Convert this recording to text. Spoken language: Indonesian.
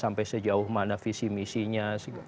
sampai sejauh mana visi misinya